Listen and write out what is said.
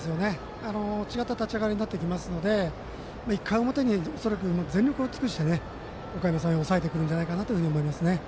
違った立ち上がりになってきますので１回表に恐らく全力を尽くしておかやま山陽を抑えてくるんじゃないかなと思います。